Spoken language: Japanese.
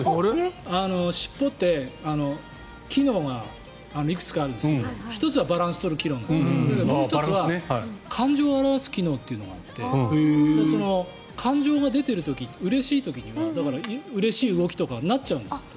尻尾って機能がいくつかあるんですけど１つはバランスを取る機能なんですけどもう１つは感情を表す機能というのがあって感情が出てる時、うれしい時にはうれしい動きとかになっちゃうんですって。